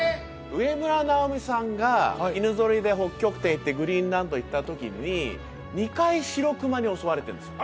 植村直己さんが犬ぞりで北極点行ってグリーンランド行った時に２回シロクマに襲われてるんですよ